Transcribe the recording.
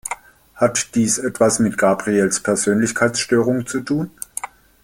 Hat dies etwas mit Gabrieles Persönlichkeitsstörung zu tun?